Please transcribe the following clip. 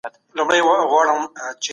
سالم ذهن خوښي نه کموي.